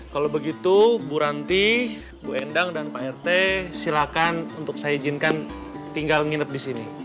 kalau begitu bu ranti bu endang dan pak rete silahkan untuk saya izinkan tinggal nginep disini